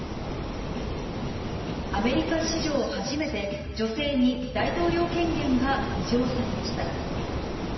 アメリカ史上初めて、女性に大統領権限が委譲されました。